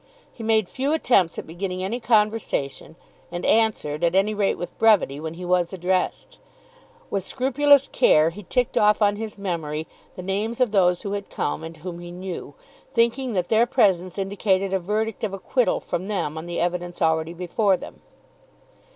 He made few attempts at beginning any conversation, and answered, at any rate with brevity, when he was addressed. With scrupulous care he ticked off on his memory the names of those who had come and whom he knew, thinking that their presence indicated a verdict of acquittal from them on the evidence already before them.